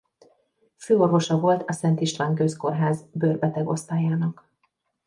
Főorvosa volt a Szent István-közkórház bőrbeteg-osztályának.